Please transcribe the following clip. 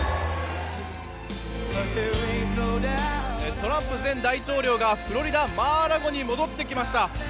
トランプ前大統領がフロリダ、マー・ア・ラゴに戻ってきました。